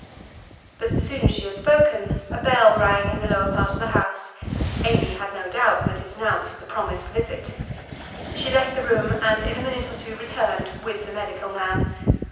But as soon as she had spoken a bell rang in the lower part of the house. Amy had no doubt that it announced the promised visit. She left the room, and in a minute or two returned with the medical man.